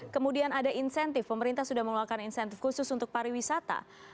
kemudian ada insentif pemerintah sudah mengeluarkan insentif khusus untuk pariwisata